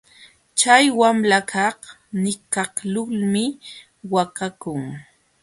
Chay wamlakaq nitkaqlulmi waqakun.